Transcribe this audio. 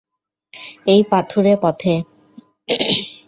এই পাথুরে পথে।